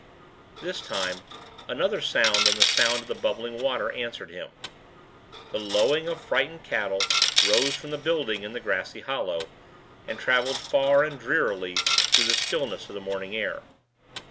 This time another sound than the sound of the bubbling water answered him. The lowing of frightened cattle rose from the building in the grassy hollow, and traveled far and drearily through the stillness of the morning air.